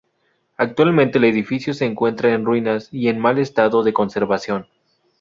Actualmente el edificio se encuentra en ruinas y en mal estado de conservación.